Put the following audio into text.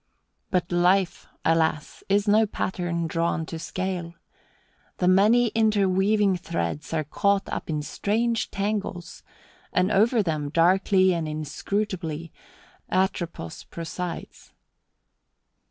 But life, alas, is no pattern drawn to scale. The many interweaving threads are caught up in strange tangles, and over them, darkly and inscrutably, Atropos presides.